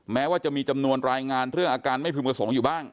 แม้ว่าจะมีจำนวนรายงานเรื่องอาการไม่พึงประสงค์อยู่บ้าง